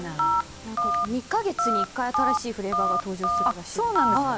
２か月に１回、新しいフレーバーが登場するそうです。